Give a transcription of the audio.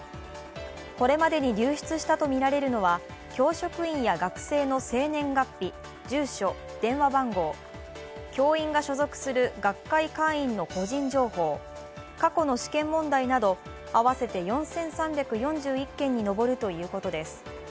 これまでに流出したとみられるのは教職員が学生の生年月日、住所、電話番号、教員が所属する学会会員の個人情報、過去の試験問題など合わせて４３４１件にのぼるということです。